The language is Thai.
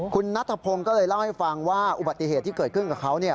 คุณนัทพงศ์ก็เลยเล่าให้ฟังว่าอุบัติเหตุที่เกิดขึ้นกับเขาเนี่ย